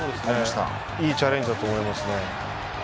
いいチャレンジだと思います。